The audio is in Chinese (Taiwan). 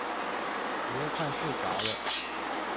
我又快睡著了